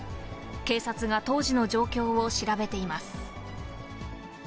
警察が当時の状況を調べています。